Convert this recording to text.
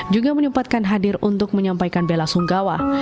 juga menyempatkan hadir untuk menyampaikan bela sunggawa